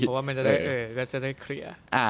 เพราะว่าก็จะได้เคลียร์